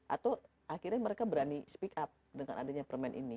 atau akhirnya mereka berani speak up dengan adanya permen ini